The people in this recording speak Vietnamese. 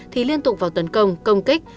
thì liên tục vào tấn công công kích